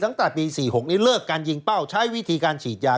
ในปี๔๖เนี่ยเลิกการยิงเป้าใช้วิธีการฉีดยา